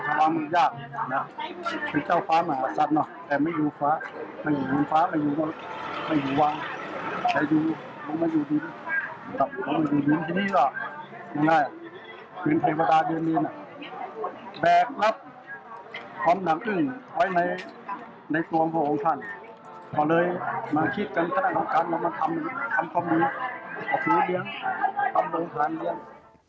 เพราะเลยมาคิดกันกันกับการเรามาทำความดีออกสูตรเลี้ยงทำโรงทานเลี้ยง